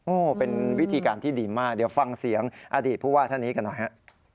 โอ้โหเป็นวิธีการที่ดีมากเดี๋ยวฟังเสียงอดีตผู้ว่าท่านนี้กันหน่อยฮะ